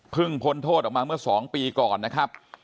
เพิ่งพ้นโทษออกมาเมื่อสองปีก่อนนะครับ